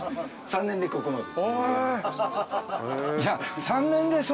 ３年でここまで。